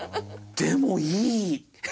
でもいい！